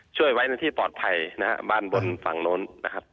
ช่วยไว้ในที่ปลอดภัยนะฮะบ้านบนฝั่งโน้นนะครับ